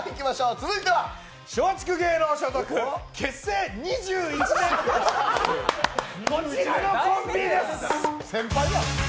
続いては松竹芸能所属、結成２１年のこちらのコンビです。